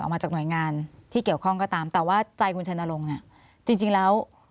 มาจากหน่วยงานที่เกี่ยวข้องก็ตามแต่ว่าใจคุณชัยนรงค์เนี่ยจริงแล้ว